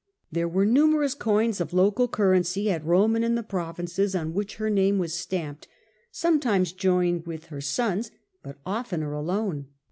There were numerous coins of local cur rency, at Rome and in the provinces, on which her name was stamped, sometimes joined with her son's but oftener alone.